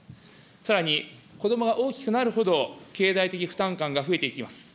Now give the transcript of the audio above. さらに、子どもが大きくなるほど、経済的負担感が増えていきます。